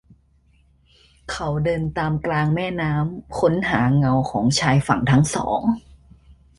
เขาเดินตามกลางแม่น้ำ ค้นหาเงาของชายฝั่งทั้งสอง